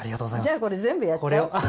じゃあこれ全部やっちゃお。